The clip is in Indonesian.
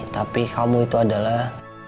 tapi kamu itu adalah